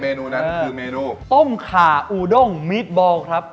นูนั้นคือเมนูต้มขาอูด้งมีดบอลครับ